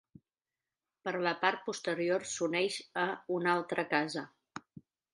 Per la part posterior s'uneix a una altra casa.